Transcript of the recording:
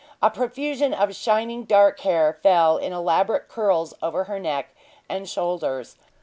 A profusion of shining dark hair fell in elaborate curls over her neck and shoulders.